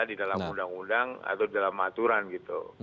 di dalam undang undang atau dalam aturan gitu